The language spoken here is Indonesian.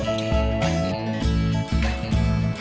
umum bagi ujung k lifting